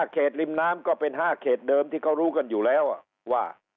เขตริมน้ำก็เป็น๕เขตเดิมที่เขารู้กันอยู่แล้วว่า